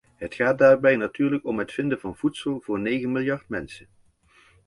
Het gaat daarbij natuurlijk om het vinden van voedsel voor negen miljard mensen.